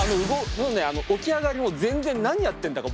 もうね起き上がりも全然何やってんだか